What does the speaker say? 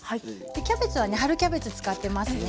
キャベツはね春キャベツ使ってますね。